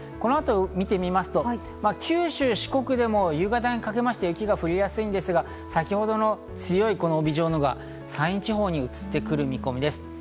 この後の動きを見てみますと、九州・四国でも夕方にかけまして雪が降りやすいですが、先ほどの強い帯状のが山陰地方に移ってくる見込みです。